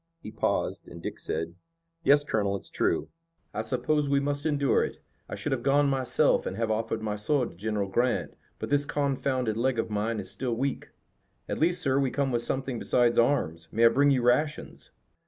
He paused, and Dick said: "Yes, Colonel, it's true." "I suppose we must endure it. I should have gone myself and have offered my sword to General Grant, but this confounded leg of mine is still weak." "At least, sir, we come with something besides arms. May I bring you rations?"